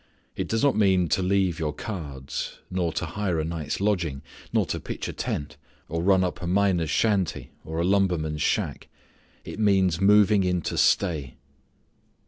It does not mean to leave your cards; nor to hire a night's lodging; nor to pitch a tent, or run up a miner's shanty, or a lumberman's shack. It means moving in to stay.